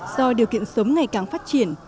do điều kiện sống ngày càng phát triển